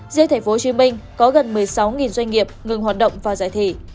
dưới thành phố hồ chí minh có gần một mươi sáu doanh nghiệp ngừng hoạt động và giải thể